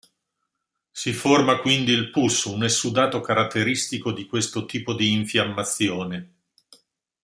Si forma quindi il "pus", un essudato caratteristico di questo tipo di infiammazione.